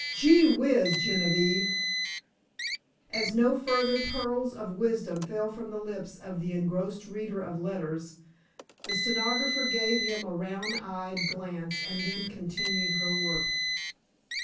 "Gee whiz, Genevieve!" As no further pearls of wisdom fell from the lips of the engrossed reader of letters, the stenographer gave him a round eyed glance and then continued her work.